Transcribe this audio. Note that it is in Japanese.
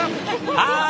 はい！